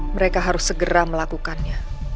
mereka harus segera melakukannya